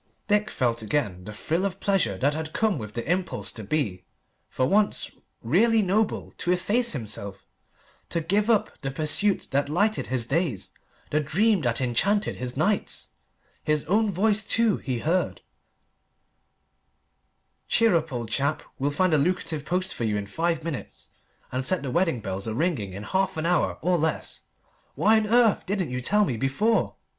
Dick felt again the thrill of pleasure that had come with the impulse to be, for once, really noble, to efface himself, to give up the pursuit that lighted his days, the dream that enchanted his nights. His own voice, too, he heard "Cheer up, old chap! We'll find a lucrative post for you in five minutes, and set the wedding bells a ringing in half an hour, or less! Why on earth didn't you tell me before?"